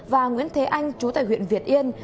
và nguyễn thế anh chú tài huyện việt yên